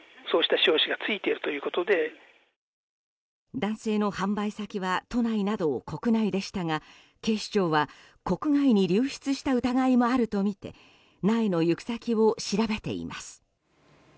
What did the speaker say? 男性の販売先は都内など国内でしたが警視庁は国外に流出した疑いもあるとみて苗の行く先を調べています。